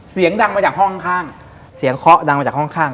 เสียงดังมาจากห้องข้างเสียงเคาะดังมาจากห้องข้าง